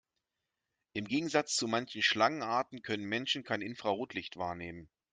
Im Gegensatz zu manchen Schlangenarten können Menschen kein Infrarotlicht wahrnehmen.